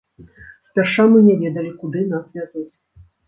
Спярша мы не ведалі куды нас вязуць.